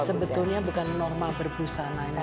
sebetulnya bukan norma berbusananya